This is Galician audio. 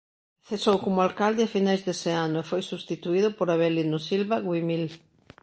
Cesou como alcalde a finais dese ano e foi substituído por Avelino Silva Güimil.